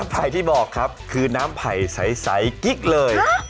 ไผ่ที่บอกครับคือน้ำไผ่ใสกิ๊กเลย